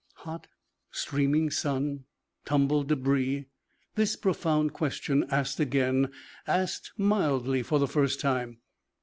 Hot, streaming sun. Tumbled débris. This profound question asked again, asked mildly for the first time.